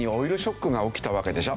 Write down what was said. オイルショックが起きたわけでしょ。